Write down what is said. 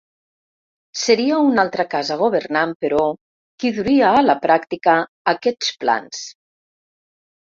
Seria una altra casa governant, però, qui duria a la pràctica aquests plans.